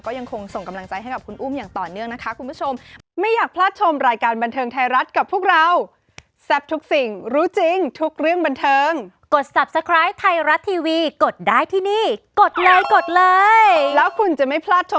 ก็ยังคงส่งกำลังใจให้กับคุณอุ้มอย่างต่อเนื่องนะคะคุณผู้ชม